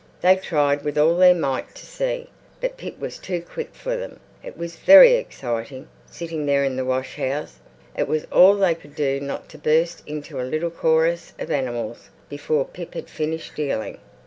They tried with all their might to see, but Pip was too quick for them. It was very exciting, sitting there in the washhouse; it was all they could do not to burst into a little chorus of animals before Pip had finished dealing.